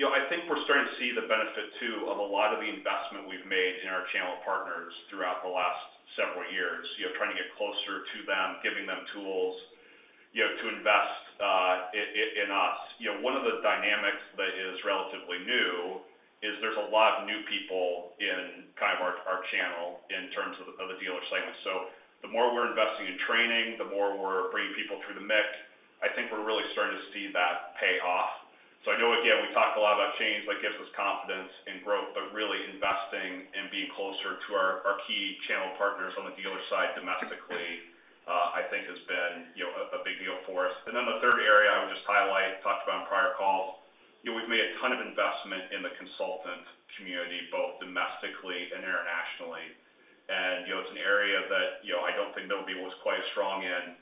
You know, I think we're starting to see the benefit, too, of a lot of the investment we've made in our channel partners throughout the last several years. You know, trying to get closer to them, giving them tools, you know, to invest in us. You know, one of the dynamics that is relatively new is there's a lot of new people in kind of our channel in terms of the dealer segment. So the more we're investing in training, the more we're bringing people through the mix, I think we're really starting to see that pay off. So I know, again, we talked a lot about chains that gives us confidence in growth, but really investing and being closer to our, our key channel partners on the dealer side domestically, I think has been, you know, a big deal for us. And then the third area I would just highlight, talked about on prior calls, you know, we've made a ton of investment in the consultant community, both domestically and internationally. And, you know, it's an area that, you know, I don't think nobody was quite as strong in.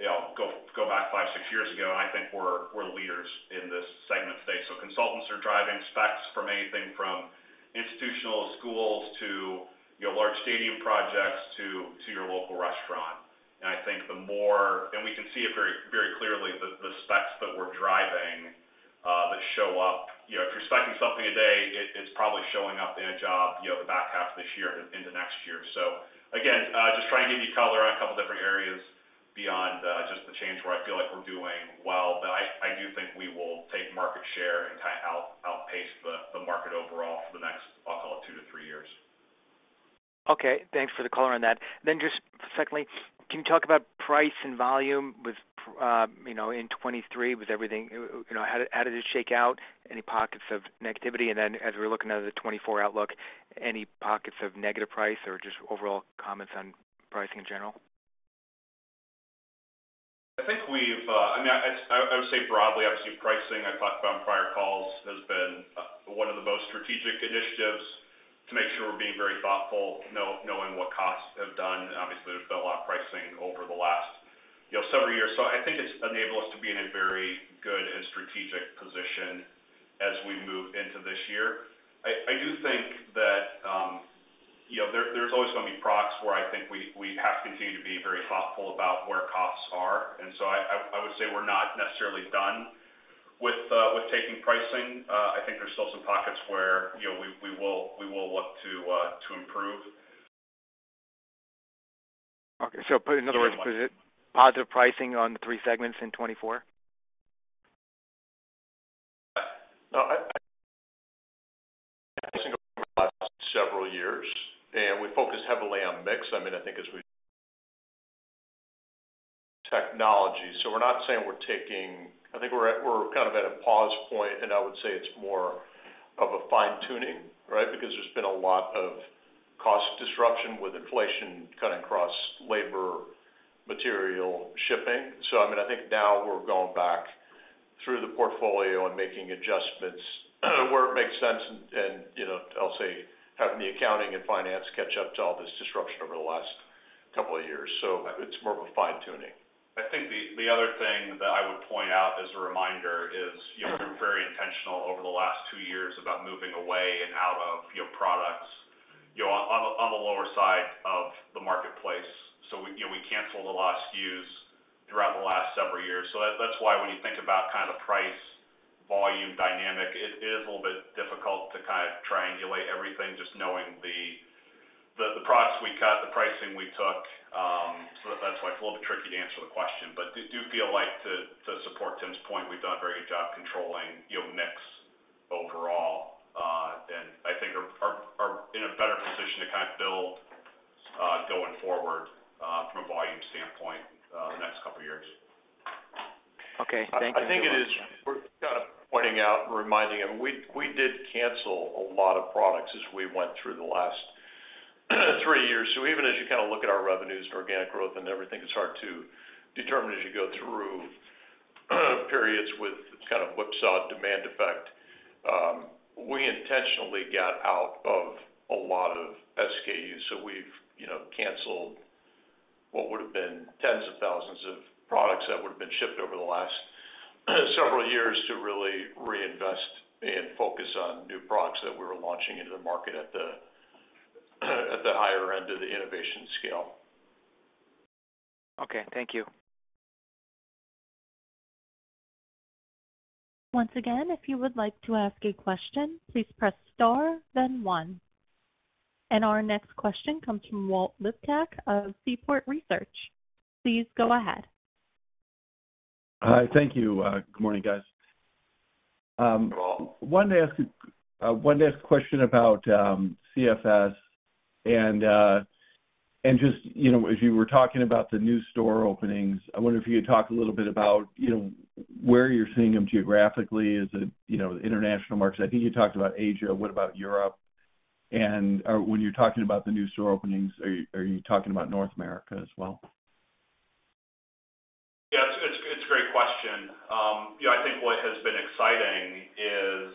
You know, go back five, six years ago, and I think we're leaders in this segment today. So consultants are driving specs from anything from institutional schools to, you know, large stadium projects, to your local restaurant. And I think the more and we can see it very, very clearly, the specs that we're driving that show up. You know, if you're spec'ing something today, it's probably showing up in a job, you know, the back half of this year into next year. So again, just trying to give you color on a couple different areas beyond just the change where I feel like we're doing well. But I do think we will take market share and kind of outpace the market overall for the next, I'll call it two to three years. Okay, thanks for the color on that. Then just secondly, can you talk about price and volume with, you know, in 2023? Was everything, you know, how did, how did it shake out? Any pockets of negativity? And then as we're looking at the 2024 outlook, any pockets of negative price or just overall comments on pricing in general? I think we've, I mean, I would say broadly, obviously, pricing, I've talked about on prior calls, has been one of the most strategic initiatives to make sure we're being very thoughtful, knowing what costs have done. And obviously, there's been a lot of pricing over the last, you know, several years. So I think it's enabled us to be in a very good and strategic position as we move into this year. I do think that, you know, there, there's always going to be products where I think we have to continue to be very thoughtful about where costs are. And so I would say we're not necessarily done with taking pricing. I think there's still some pockets where, you know, we will look to improve. Okay. So put in other words, is it positive pricing on the three segments in 2024? No, I think several years, and we focus heavily on mix. I mean, I think as we technology, so we're not saying we're taking. I think we're at. We're kind of at a pause point, and I would say it's more of a fine-tuning, right? Because there's been a lot of cost disruption with inflation cutting across labor, material, shipping. So I mean, I think now we're going back through the portfolio and making adjustments where it makes sense, and, you know, I'll say, having the accounting and finance catch up to all this disruption over the last couple of years. So it's more of a fine-tuning. I think the other thing that I would point out as a reminder is, you know, we're very intentional over the last two years about moving away and out of, you know, products, you know, on the, on the lower side of the marketplace. So we, you know, we canceled a lot of SKUs throughout the last several years. So that's why when you think about kind of price, volume, dynamic, it is a little bit difficult to kind of triangulate everything just knowing the, the, the products we cut, the pricing we took. So that's why it's a little bit tricky to answer the question, but do feel like to support Tim's point, we've done a very good job controlling, you know, mix overall. I think are in a better position to kind of build going forward from a volume standpoint the next couple of years. Okay, thank you. I think it is worth kind of pointing out and reminding them, we did cancel a lot of products as we went through the last three years. So even as you kind of look at our revenues and organic growth and everything, it's hard to determine as you go through periods with kind of whipsaw demand effect. We intentionally got out of a lot of SKUs, so we've, you know, canceled what would have been tens of thousands of products that would have been shipped over the last several years to really reinvest and focus on new products that we were launching into the market at the higher end of the innovation scale. Okay, thank you. Once again, if you would like to ask a question, please press star, then one. Our next question comes from Walt Liptak of Seaport Research. Please go ahead. Hi, thank you. Good morning, guys. Wanted to ask a question about CFS and just, you know, as you were talking about the new store openings, I wonder if you could talk a little bit about, you know, where you're seeing them geographically. Is it, you know, the international markets? I think you talked about Asia. What about Europe? And when you're talking about the new store openings, are you talking about North America as well? Yeah, it's, it's a great question. You know, I think what has been exciting is,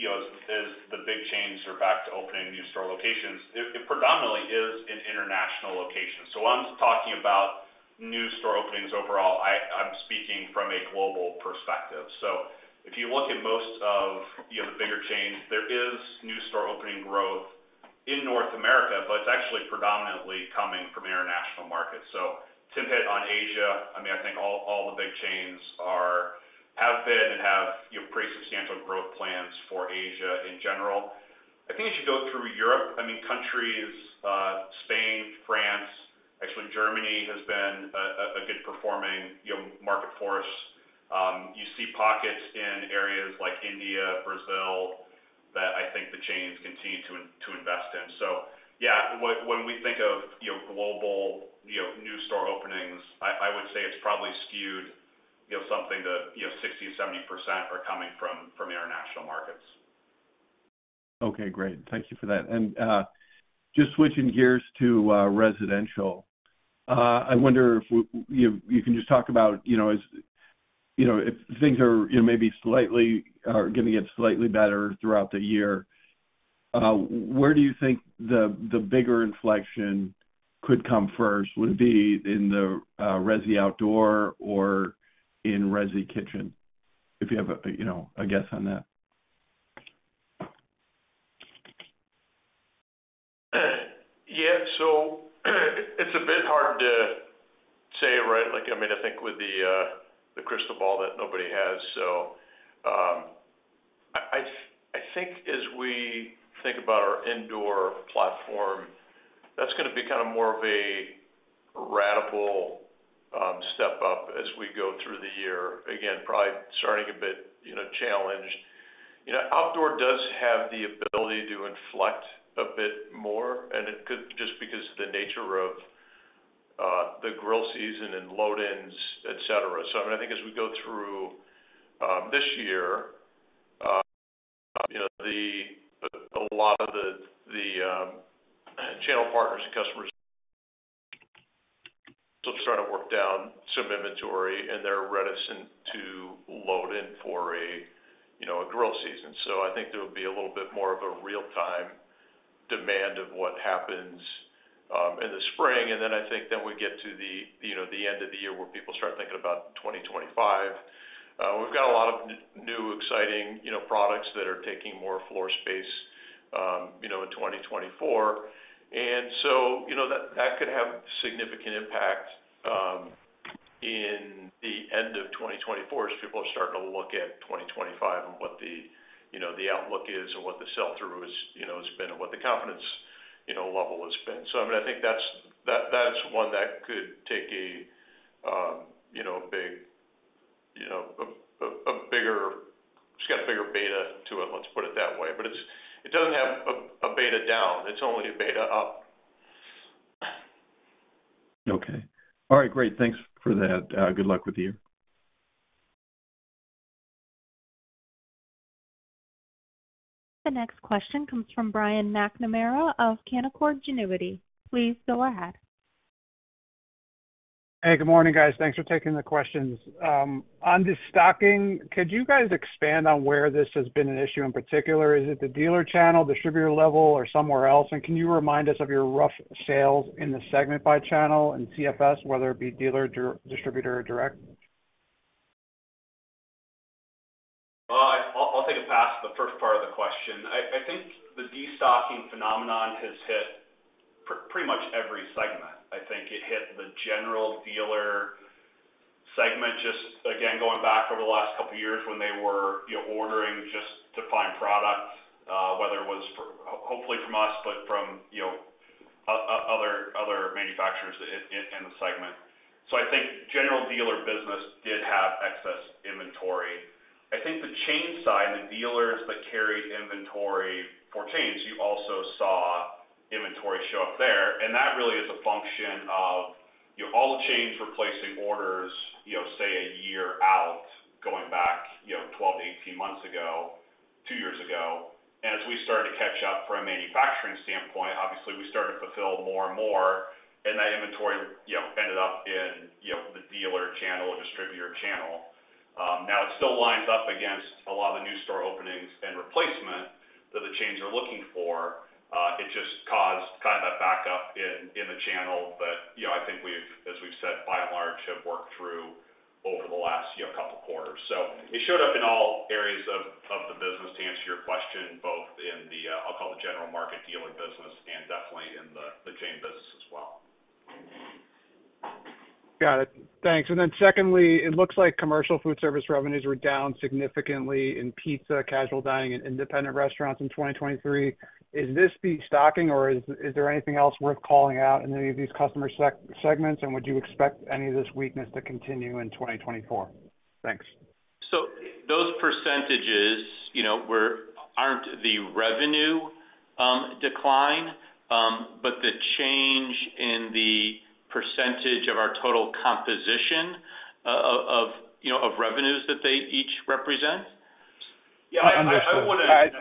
you know, as the big chains are back to opening new store locations, it predominantly is in international locations. So when I'm talking about new store openings overall, I'm speaking from a global perspective. So if you look at most of, you know, the bigger chains, there is new store opening growth in North America, but it's actually predominantly coming from international markets. So to hit on Asia, I mean, I think all the big chains have been and have, you know, pretty substantial growth plans for Asia in general. I think as you go through Europe, I mean, countries, Spain, France, actually Germany has been a good performing, you know, market for us. You see pockets in areas like India, Brazil, that I think the chains continue to invest in. So yeah, when we think of, you know, global, you know, new store openings, I would say it's probably skewed, you know, something to 60%-70% are coming from international markets. Okay, great. Thank you for that. And, just switching gears to residential. I wonder if you can just talk about, you know, as you know, if things are, you know, maybe slightly gonna get slightly better throughout the year, where do you think the bigger inflection could come first, would it be in the resi outdoor or in resi kitchen? If you have a, you know, a guess on that. Yeah, so it's a bit hard to say, right? Like, I mean, I think with the crystal ball that nobody has. So, I think as we think about our indoor platform, that's gonna be kind of more of a radical step up as we go through the year. Again, probably starting a bit, you know, challenged. You know, outdoor does have the ability to inflect a bit more, and it could just because of the nature of the grill season and load-ins, et cetera. So I mean, I think as we go through this year, you know, a lot of the channel partners and customers still trying to work down some inventory, and they're reticent to load in for a, you know, a grill season. So I think there would be a little bit more of a real-time demand of what happens in the spring. And then I think we get to the end of the year, where people start thinking about 2025. We've got a lot of new, exciting products that are taking more floor space in 2024. And so, you know, that could have significant impact in the end of 2024, as people are starting to look at 2025 and what the outlook is and what the sell-through has been, and what the confidence level has been. So, I mean, I think that's-- that, that's one that could take a big, you know, a bigger... It's got a bigger beta to it, let's put it that way. But it doesn't have a beta down, it's only a beta up. Okay. All right, great, thanks for that. Good luck with you. The next question comes from Brian McNamara of Canaccord Genuity. Please go ahead. Hey, good morning, guys. Thanks for taking the questions. On the destocking, could you guys expand on where this has been an issue in particular? Is it the dealer channel, distributor level, or somewhere else? And can you remind us of your rough sales in the segment by channel and CFS, whether it be dealer, distributor, or direct? Well, I'll take a pass on the first part of the question. I think the destocking phenomenon has hit pretty much every segment. I think it hit the general dealer segment, just again, going back over the last couple of years when they were, you know, ordering just to find products, whether it was for, hopefully from us, but from, you know, other manufacturers in the segment. So I think general dealer business did have excess inventory. I think the chain side, the dealers that carried inventory for chains, you also saw inventory show up there, and that really is a function of, you know, all the chains were placing orders, you know, say, a year out, going back, you know, 12-18 months ago, two years ago. As we started to catch up from a manufacturing standpoint, obviously, we started to fulfill more and more, and that inventory, you know, ended up in, you know, the dealer channel or distributor channel. Now, it still winds up against a lot of the new store openings and replacement that the chains are looking for. It just caused kind of a backup in the channel, but, you know, I think we've, as we've said, by and large, have worked through over the last, you know, couple quarters. So it showed up in all areas of the business, to answer your question, both in the, I'll call it the general market dealer business and definitely in the chain business as well. Got it. Thanks. Then secondly, it looks like commercial food service revenues were down significantly in pizza, casual dining, and independent restaurants in 2023. Is this the destocking, or is there anything else worth calling out in any of these customer segments? And would you expect any of this weakness to continue in 2024? Thanks. Those percentages, you know, aren't the revenue decline, but the change in the percentage of our total composition of revenues that they each represent. Yeah, I understand. I wouldn't- I-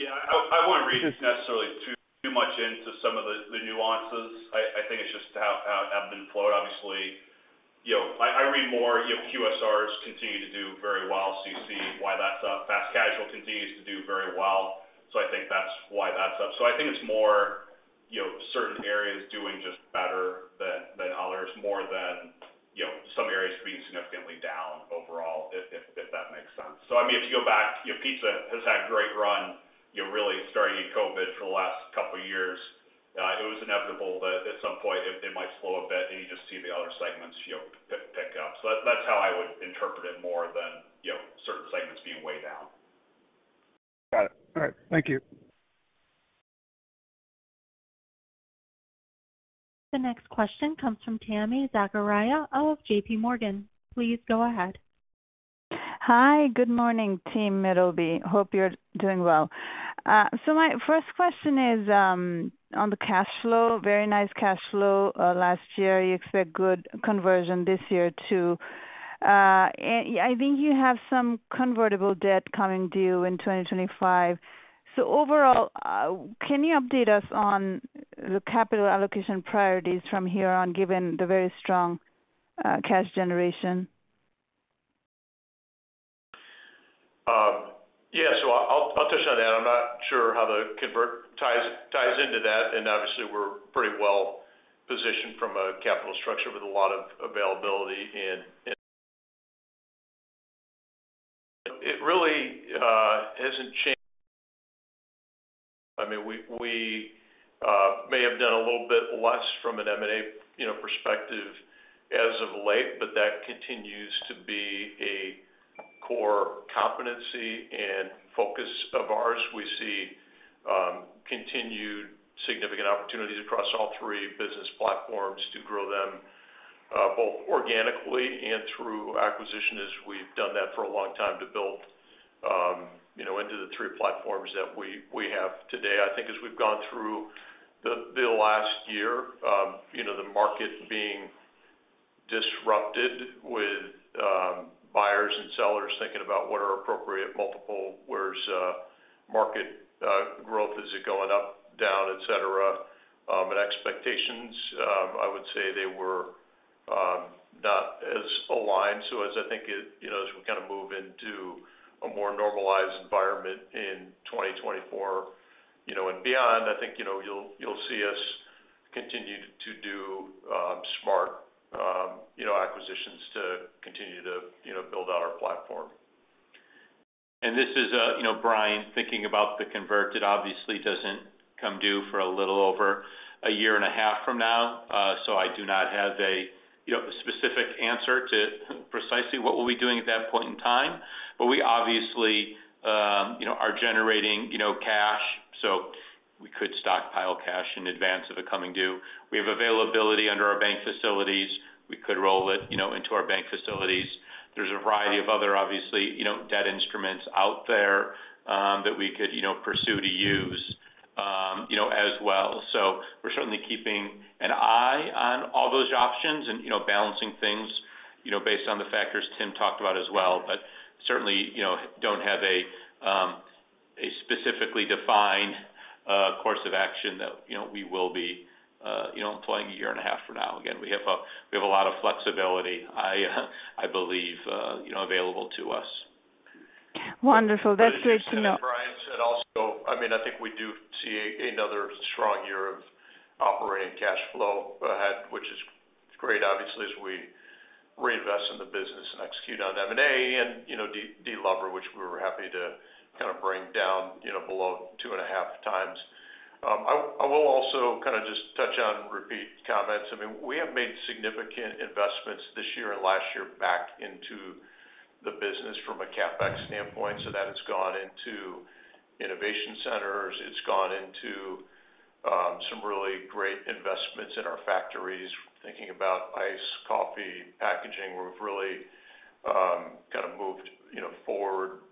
Yeah, I wouldn't read necessarily too much into some of the nuances. I think it's just how ebb and flow, obviously. You know, I read more, you know, QSRs continue to do very well, so you see why that's up. Fast casual continues to do very well, so I think that's why that's up. So I think it's more-... you know, certain areas doing just better than others, more than, you know, some areas being significantly down overall, if that makes sense. So I mean, if you go back, you know, pizza has had a great run, you know, really starting in COVID for the last couple of years. It was inevitable that at some point it might slow a bit, and you just see the other segments, you know, pick up. So that's how I would interpret it more than, you know, certain segments being way down. Got it. All right. Thank you. The next question comes from Tami Zakaria of J.P. Morgan. Please go ahead. Hi, good morning, team Middleby. Hope you're doing well. So my first question is, on the cash flow. Very nice cash flow, last year. You expect good conversion this year, too. And I think you have some convertible debt coming due in 2025. So overall, can you update us on the capital allocation priorities from here on, given the very strong, cash generation? Yeah, so I'll, I'll touch on that. I'm not sure how the convert ties into that, and obviously, we're pretty well positioned from a capital structure with a lot of availability. It really hasn't changed. I mean, we may have done a little bit less from an M&A, you know, perspective as of late, but that continues to be a core competency and focus of ours. We see continued significant opportunities across all three business platforms to grow them both organically and through acquisition, as we've done that for a long time, to build, you know, into the three platforms that we have today. I think as we've gone through the last year, you know, the market being disrupted with buyers and sellers thinking about what are appropriate multiple, where's market growth, is it going up, down, et cetera, and expectations, I would say they were not as aligned. So as I think it, you know, as we kind of move into a more normalized environment in 2024 and beyond, I think, you know, you'll see us continue to do smart, you know, acquisitions to continue to, you know, build out our platform. And this is, you know, Bryan, thinking about the convert, it obviously doesn't come due for a little over a year and a half from now. So I do not have a, you know, specific answer to precisely what we'll be doing at that point in time. But we obviously, you know, are generating, you know, cash, so we could stockpile cash in advance of it coming due. We have availability under our bank facilities. We could roll it, you know, into our bank facilities. There's a variety of other, obviously, you know, debt instruments out there, that we could, you know, pursue to use, you know, as well. So we're certainly keeping an eye on all those options and, you know, balancing things, you know, based on the factors Tim talked about as well. But certainly, you know, don't have a specifically defined course of action that, you know, we will be, you know, employing a year and a half from now. Again, we have a lot of flexibility, I believe, you know, available to us. Wonderful. That's good to know. Brian said also, I mean, I think we do see another strong year of operating cash flow ahead, which is great, obviously, as we reinvest in the business and execute on M&A and, you know, de-lever, which we were happy to kind of bring down, you know, below 2.5x. I will also kind of just touch on repeat comments. I mean, we have made significant investments this year and last year back into the business from a CapEx standpoint, so that it's gone into innovation centers, it's gone into some really great investments in our factories. Thinking about iced coffee, packaging, we've really kind of moved, you know, forward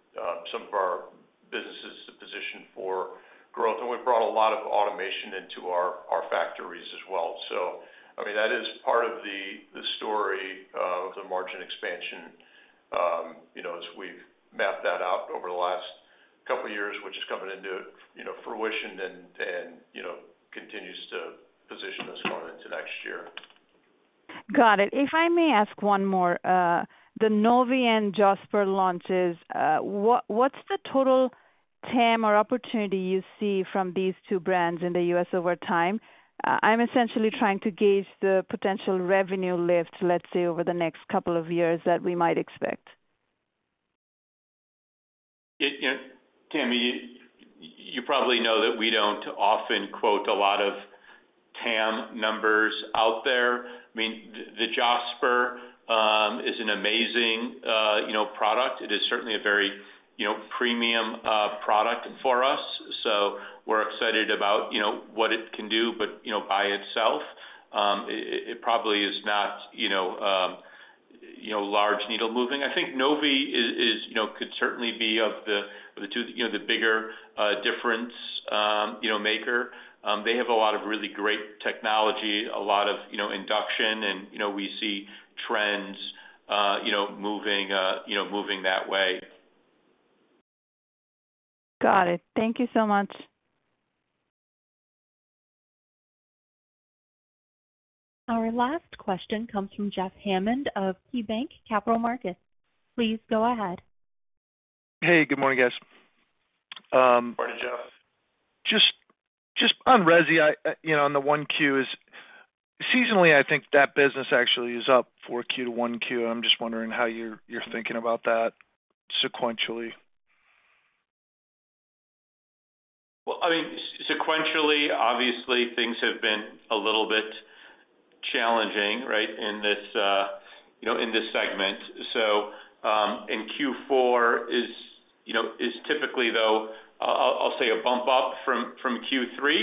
some of our businesses to position for growth. And we've brought a lot of automation into our factories as well. So, I mean, that is part of the story of the margin expansion, you know, as we've mapped that out over the last couple of years, which is coming into, you know, fruition and, you know, continues to position us going into next year. Got it. If I may ask one more, the Novy and Josper launches, what's the total TAM or opportunity you see from these two brands in the U.S. over time? I'm essentially trying to gauge the potential revenue lift, let's say, over the next couple of years that we might expect. Yeah, yeah, Tami, you probably know that we don't often quote a lot of TAM numbers out there. I mean, the Josper is an amazing, you know, product. It is certainly a very, you know, premium product for us, so we're excited about, you know, what it can do. But, you know, by itself, it probably is not, you know, large needle moving. I think Novy is, you know, could certainly be of the two, you know, the bigger difference, you know, maker. They have a lot of really great technology, a lot of, you know, induction and, you know, we see trends, you know, moving, you know, moving that way. Got it. Thank you so much. Our last question comes from Jeff Hammond of KeyBanc Capital Markets. Please go ahead. Hey, good morning, guys. Morning, Jeff. Just on resi, you know, on the 1Q is, seasonally, I think that business actually is up for 4Q, 1Q. I'm just wondering how you're thinking about that sequentially. Well, I mean, sequentially, obviously, things have been a little bit challenging, right, in this, you know, in this segment. So, in Q4, you know, is typically though, I'll say a bump up from Q3.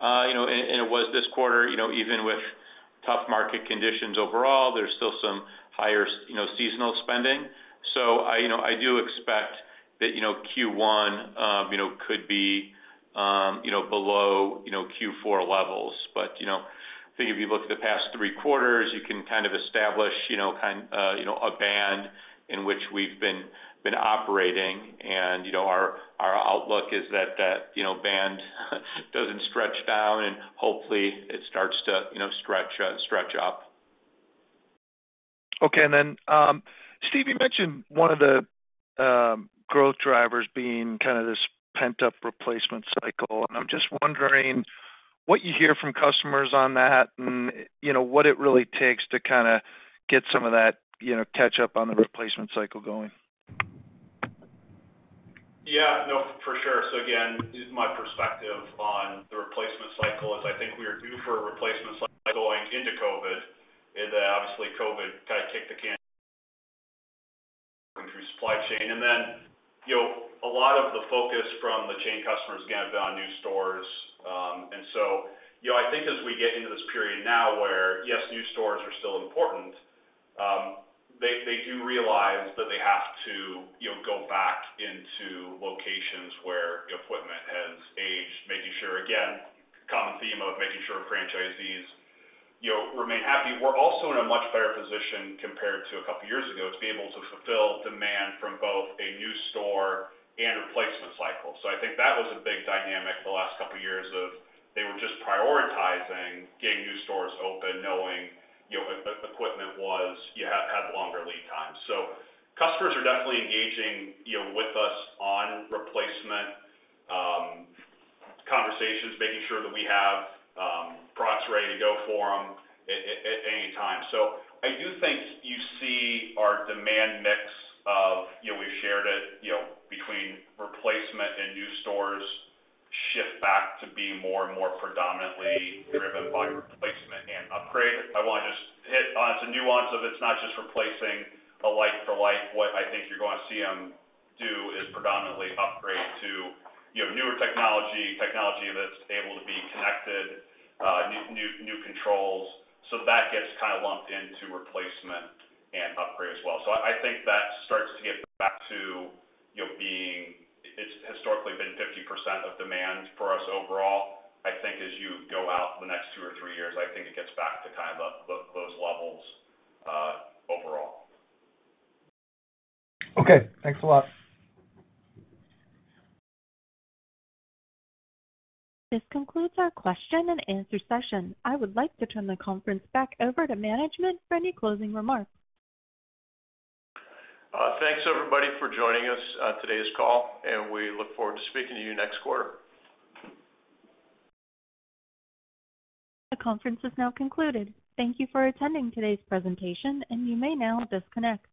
You know, and it was this quarter, you know, even with tough market conditions overall, there's still some higher, you know, seasonal spending. So I, you know, I do expect that, you know, Q1, you know, could be, you know, below, you know, Q4 levels. But, you know, I think if you look at the past three quarters, you can kind of establish, you know, kind, you know, a band in which we've been operating. And, you know, our outlook is that, that, you know, band doesn't stretch down, and hopefully it starts to, you know, stretch up. Okay. And then, Steve, you mentioned one of the growth drivers being kind of this pent-up replacement cycle. And I'm just wondering what you hear from customers on that and, you know, what it really takes to kinda get some of that, you know, catch up on the replacement cycle going? Yeah. No, for sure. So again, my perspective on the replacement cycle is I think we are due for a replacement cycle going into COVID, and then obviously, COVID kind of kicked the can through supply chain. And then, you know, a lot of the focus from the chain customers, again, have been on new stores. And so, you know, I think as we get into this period now, where, yes, new stores are still important, they do realize that they have to, you know, go back into locations where equipment has aged, making sure, again, common theme of making sure franchisees, you know, remain happy. We're also in a much better position compared to a couple of years ago, to be able to fulfill demand from both a new store and a replacement cycle. So I think that was a big dynamic the last couple of years of they were just prioritizing getting new stores open, knowing, you know, equipment was... You had longer lead times. So customers are definitely engaging, you know, with us on replacement conversations, making sure that we have products ready to go for them at any time. So I do think you see our demand mix of, you know, we've shared it, you know, between replacement and new stores, shift back to being more and more predominantly driven by replacement and upgrade. I want to just hit on the nuance of it's not just replacing a like for like. What I think you're going to see them do is predominantly upgrade to, you know, newer technology, technology that's able to be connected, new, new, new controls. So that gets kind of lumped into replacement and upgrade as well. So I think that starts to get back to, you know, being. It's historically been 50% of demand for us overall. I think as you go out the next two or three years, I think it gets back to kind of those levels, overall. Okay, thanks a lot. This concludes our question and answer session. I would like to turn the conference back over to management for any closing remarks. Thanks, everybody, for joining us on today's call, and we look forward to speaking to you next quarter. The conference is now concluded. Thank you for attending today's presentation, and you may now disconnect.